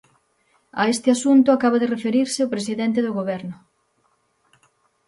A este asunto acaba de referirse o presidente do Goberno.